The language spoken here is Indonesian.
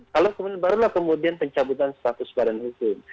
kalau kemudian barulah kemudian pencabutan status badan hukum